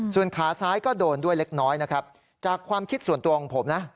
ส่วนขาซ้ายก็โดนด้วยเล็กน้อยนะครับจากความคิดส่วนตัวของผมนะ